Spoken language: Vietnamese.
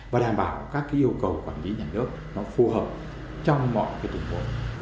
và đảm bảo các cái yêu cầu quản lý nhà nước nó phù hợp trong mọi cái tình huống